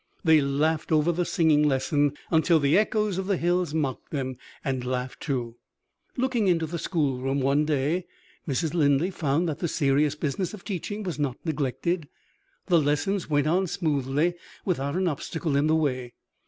They laughed over the singing lesson, until the echoes of the hills mocked them, and laughed too. Looking into the schoolroom, one day, Mrs. Linley found that the serious business of teaching was not neglected. The lessons went on smoothly, without an obstacle in the way.